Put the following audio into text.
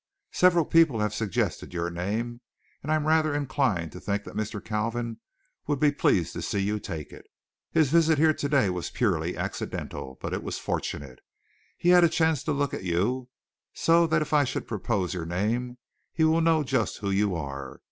Several people have suggested your name, and I'm rather inclined to think that Mr. Kalvin would be pleased to see you take it. His visit here today was purely accidental, but it was fortunate. He had a chance to look at you, so that if I should propose your name he will know just who you are.